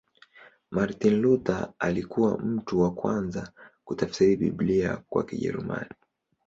Martin Luther alikuwa mtu wa kwanza kutafsiri Biblia kwa Kijerumani.